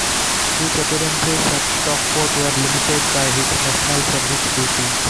His appearances for Stockport were limited by his national service duties.